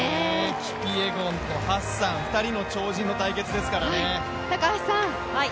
キピエゴンとハッサン、２人の超人の対決ですからね。